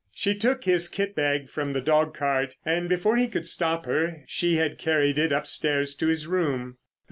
She took his kit bag from the dog cart, and before he could stop her she had carried it upstairs to his room.